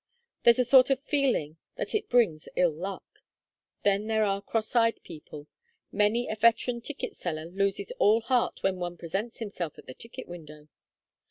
There's a sort of feeling that it brings ill luck. Then there are cross eyed people; many a veteran ticket seller loses all heart when one presents himself at the ticket window.